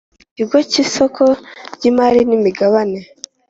Ikigo cy isoko ry imari n imigabane